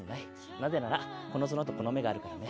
なぜなら、この角とこの目があるからね。